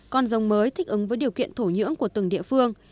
còn dòng mới thích ứng với điều kiện thổ nhưỡng của từng địa phương